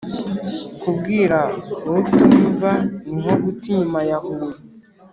Kubwira utumva ni nko guta inyuma ya Huye.